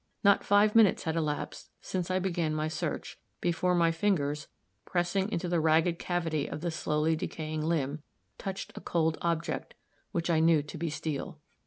Not five minutes had elapsed since I began my search, before my fingers, pressing into the ragged cavity of the slowly decaying limb, touched a cold object which I knew to be steel.